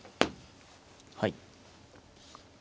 はい。